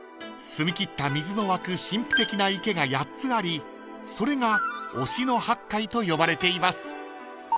［澄みきった水の湧く神秘的な池が８つありそれが忍野八海と呼ばれています］